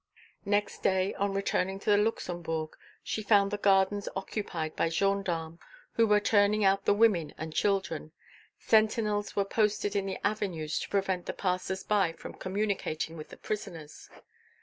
Next day, on returning to the Luxembourg, she found the gardens occupied by gendarmes, who were turning out the women and children. Sentinels were posted in the avenues to prevent the passers by from communicating with the prisoners.